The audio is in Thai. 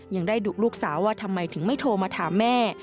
ยังได้ดุลูกสาวว่าทำไมถึงไม่โทรมาถามแม่